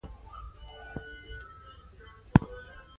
د اوبو چکر په بخار، ورېځو او باران متکي دی.